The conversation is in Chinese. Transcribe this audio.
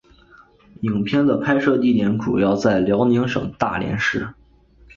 影片的拍摄地点主要在辽宁省大连市。